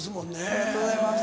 ありがとうございます。